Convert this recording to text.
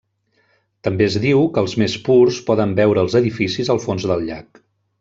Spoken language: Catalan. També es diu que els més purs poden veure els edificis al fons del llac.